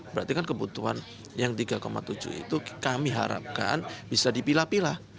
berarti kan kebutuhan yang tiga tujuh itu kami harapkan bisa dipilah pilah